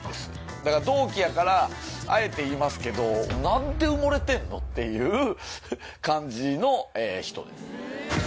だから同期やから、あえて言いますけど、なんで埋もれてんの？っていう感じの人です。